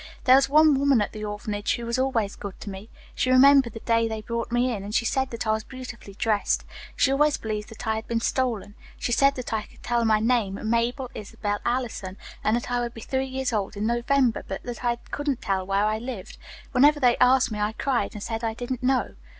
There was one woman at the orphanage who was always good to me. She remembered the day they brought me, and she said that I was beautifully dressed. She always believed that I had been stolen. She said that I could tell my name, 'Mabel Isabel Allison,' and that I would be three years old in November, but that I couldn't tell where I lived. Whenever they asked me I cried and said I didn't know.